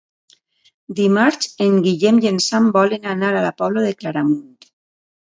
Dimarts en Guillem i en Sam volen anar a la Pobla de Claramunt.